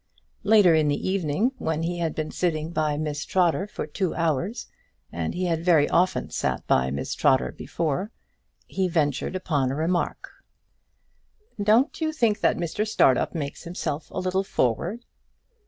Later in the evening, when he had been sitting by Miss Trotter for two hours and he had very often sat by Miss Trotter before he ventured upon a remark. "Don't you think that Mr Startup makes himself a little forward?"